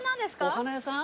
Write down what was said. お花屋さん？